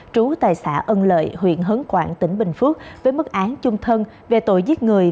trú tài xã ân lợi huyện hấn quảng tỉnh bình phước với mức án chung thân về tội giết người